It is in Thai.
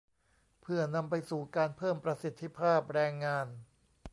เพื่อนำไปสู่การเพิ่มประสิทธิภาพแรงงาน